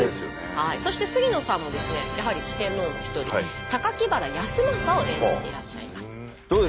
そして杉野さんもですねやはり四天王の一人原康政を演じていらっしゃいます。